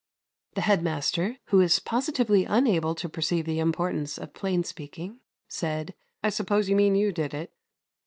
The head master, who is positively unable to perceive the importance of plain speaking, said, "I suppose you mean you did it."